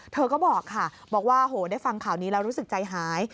เธอก็บอกค่ะบอกว่าโหได้ฟังข่าวนี้แล้วรู้สึกใจหาย